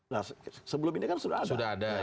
nah sebelum ini kan sudah ada